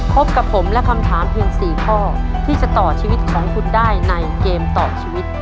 พบกับผมและคำถามเพียง๔ข้อที่จะต่อชีวิตของคุณได้ในเกมต่อชีวิต